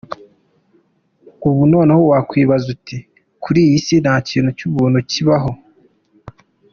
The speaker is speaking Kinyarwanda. Ubu noneho wakwibaza uti "Kuri iyi si ntakintu cy'ubuntu kibaho".